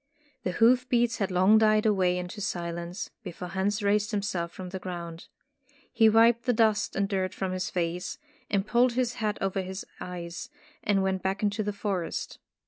The hoof beats had long died away into silence, before Hans raised himself from the ground. He wiped the dust and dirt from his face, pulled his hat over his eyes, and went back into the forest.